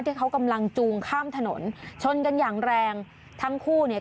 ที่เขากำลังจูงข้ามถนนชนกันอย่างแรงทั้งคู่เนี่ย